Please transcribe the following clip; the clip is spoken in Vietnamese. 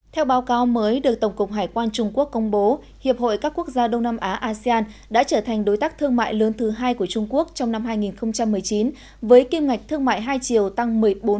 theo báo cáo mới được tổng cục hải quan trung quốc công bố hiệp hội các quốc gia đông nam á asean đã trở thành đối tác thương mại lớn thứ hai của trung quốc trong năm hai nghìn một mươi chín với kim ngạch thương mại hai chiều tăng một mươi bốn